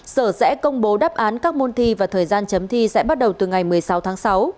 sở sẽ công bố đáp án các môn thi và thời gian chấm thi sẽ bắt đầu từ ngày một mươi sáu tháng sáu